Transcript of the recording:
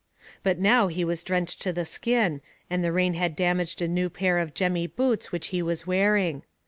But now he was drenched to the skin, and the rain had damaged a new pair of jemmy boots which he was wearing.